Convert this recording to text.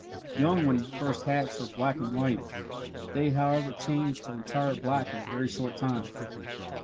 Young when first hatched are black and white they however change to entire black in a very short time.